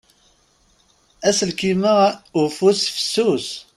Aselkim-a ufus fessus.